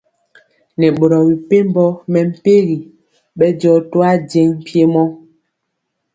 Nɛ boro mepempɔ mɛmpegi bɛndiɔ toajeŋg mpiemɔ.